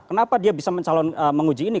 kenapa dia bisa menguji ini